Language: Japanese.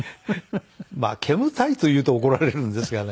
まあ煙たいと言うと怒られるんですがね。